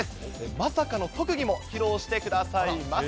まさかの特技も披露してくださいます。